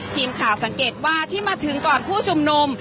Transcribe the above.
ทีมข่าวสังเกตว่าที่มาถึงก่อนผู้ชุมนุม